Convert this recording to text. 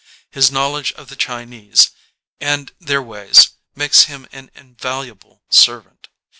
His knowledge of the Chinese and their ways makes him an invaluable servant.